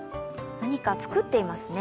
何か作っていますね。